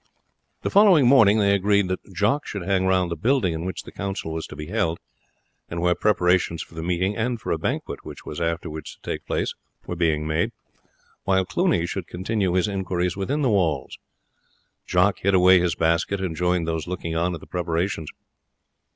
The following morning they agreed that Jock should hang round the building in which the council was to be held, and where preparations for the meeting and for a banquet which was afterwards to take place were being made, while Cluny should continue his inquiries within the walls. Jock hid away his basket and joined those looking on at the preparations.